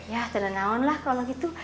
ya tenang tenang lah kalau gitu